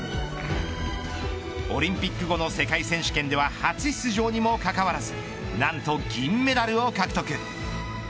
オリンピック後の世界選手権では初出場にもかかわらずなんと銀メダルを獲得。